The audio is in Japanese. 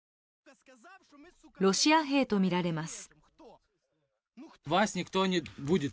ロシア兵とみられます。